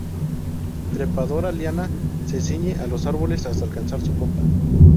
Trepadora liana, se ciñe a los árboles hasta alcanzar su copa.